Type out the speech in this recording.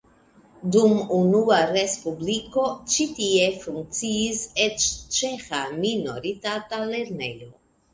Dum unua respubliko ĉi tie funkciis eĉ ĉeĥa minoritata lernejo.